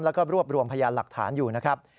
แล้วก็รวบรวมพยานหลักฐานอยู่นะครับ